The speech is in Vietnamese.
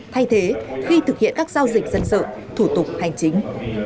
thay thế khi thực hiện các giao dịch dân sự thủ tục hành chính